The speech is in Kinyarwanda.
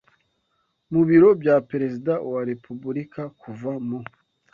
mu biro bya Perezida wa Repubulika kuva mu